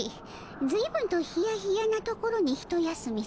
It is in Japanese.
ずいぶんとヒヤヒヤなところに一休みするの。